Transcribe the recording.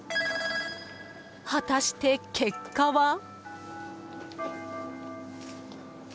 果たして結果は？